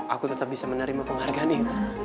aku tetap bisa menerima penghargaan ya